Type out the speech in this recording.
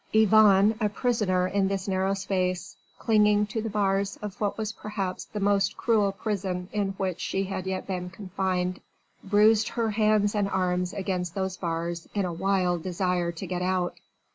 Yvonne a prisoner in this narrow space, clinging to the bars of what was perhaps the most cruel prison in which she had yet been confined, bruised her hands and arms against those bars in a wild desire to get out.